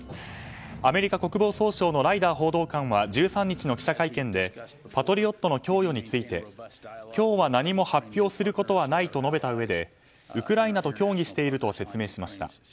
アメリカ国防総省のライダー報道官は１３日の記者会見でパトリオットの供与について今日は何も発表することはないと述べたうえでウクライナと協議していると説明しました。